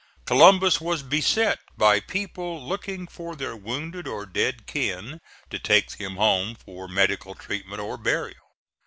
Columbus was beset by people looking for their wounded or dead kin, to take them home for medical treatment or burial.